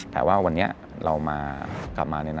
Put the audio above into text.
แต่ว่าวันนี้เรากลับมา